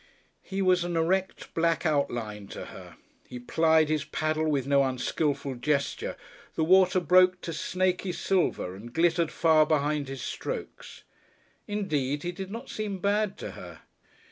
He was an erect, black outline to her; he plied his paddle with no unskilful gesture, the water broke to snaky silver and glittered far behind his strokes. Indeed, he did not seem bad to her.